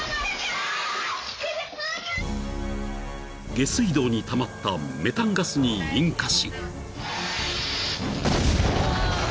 ［下水道にたまったメタンガスに引火し］